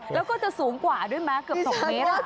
แล้วก็จะสูงกว่าด้วยมั้ยเกือบ๒เมตร